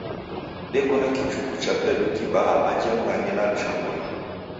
Deko na kichuku chapedu kibaha aja Mghange na Lushangonyi.